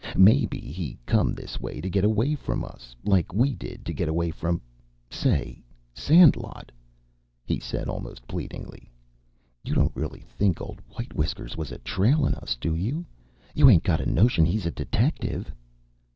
Maybe he come this way to get away from us, like we did to get away from say! Sandlot," he said almost pleadingly, "you don't really think old White Whiskers was a trailin' us, do you? You ain't got a notion he's a detective?"